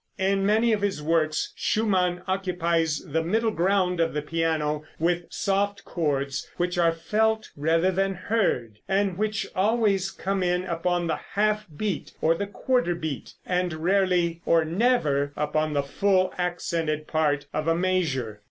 In many of his works Schumann occupies the middle ground of the piano with soft chords which are felt rather than heard, and which always come in upon the half beat or the quarter beat, and rarely or never upon the full accented part of a measure.